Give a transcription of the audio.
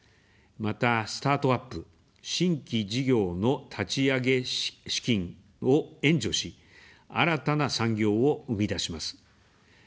また、スタートアップ、新規事業の立ち上げ資金を援助し、新たな産業を生み出します。